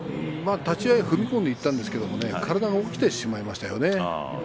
立ち合い踏み込んでいったんですが体が起きてしまいましたよね。